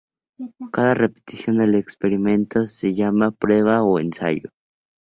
Cada repetición del experimento se llama prueba o ensayo.